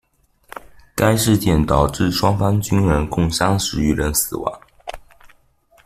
该事件导致双方军人共三十余人死亡。